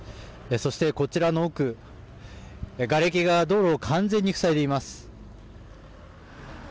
そして、こちらの奥、がれきが道路を完全に塞いでいます。